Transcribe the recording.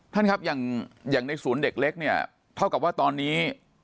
แทุ่่ครับอย่างอย่างในศูนย์เล็กนี้อย่างเท่ากับว่าตอนนี้